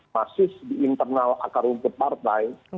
masih di internal akar rumput partai